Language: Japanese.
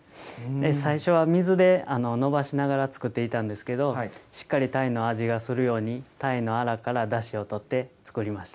最初は水で延ばしながら作っていたんですけど、しっかりたいの味がするように、たいのアラからだしをとって作りました。